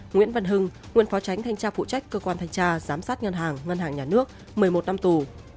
nguyễn văn hưng nguyên phó tránh thanh tra phụ trách cơ quan thanh tra giám sát ngân hàng ngân hàng nhà nước một mươi một năm tù